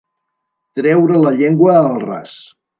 Treure la llengua al ras.